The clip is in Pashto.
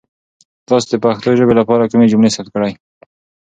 تاسو د پښتو ژبې لپاره کومې جملې ثبت کړي؟